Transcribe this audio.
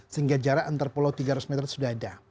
sehingga jarak antar pulau tiga ratus meter sudah ada